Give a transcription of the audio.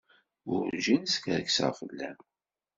Werǧin skerkseɣ fell-am.